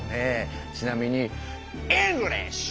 ちなみにイングリッシュ！